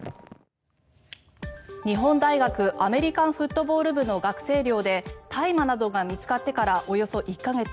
日本大学アメリカンフットボール部の学生寮で大麻などが見つかってからおよそ１か月。